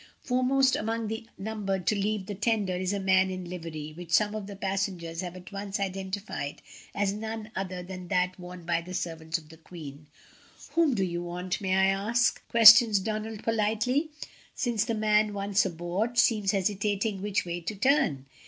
Foremost among the number to leave the tender is a man in livery, which some of the passengers have at once identified as none other than that worn by the servants of the Oueen. "Whom do you want, may I ask?" questions Donald politely, since the man, once aboard, seems hesitating which way to turn.